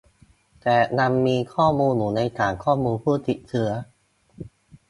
แต่ยังมีข้อมูลอยู่ในฐานข้อมูลผู้ติดเชื้อ